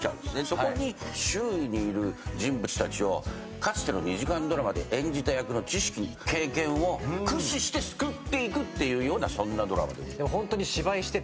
そこに周囲にいる人物たちをかつての２時間ドラマで演じた役の知識経験を駆使して救っていくっていうそんなドラマでございます。